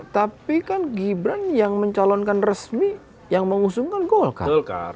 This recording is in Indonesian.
tapi kan gibran yang mencalonkan resmi yang mengusungkan golkar